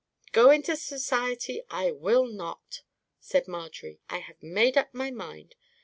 "Go into society I will not," said Marjorie. "I have made up my mind.